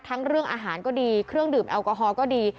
เรื่องอาหารก็ดีเครื่องดื่มแอลกอฮอลก็ดี